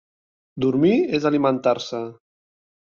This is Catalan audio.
Dormir és alimentar-se.